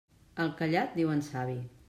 Al callat diuen savi.